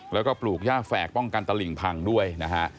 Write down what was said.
แล้วก็ปลูกย่าแฝกป้องกันตลิ่งพังด้วยนะฮะ